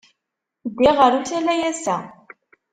Ddiɣ ɣer usalay ass-a.